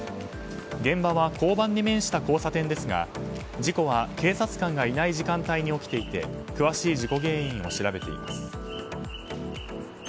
現場は交番に面した交差点ですが事故は警察官がいない時間帯に起きていて詳しい事故原因を調べています。